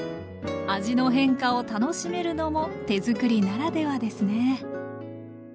味の変化を楽しめるのも手づくりならではですね